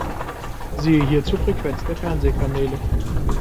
Siehe hierzu Frequenzen der Fernsehkanäle.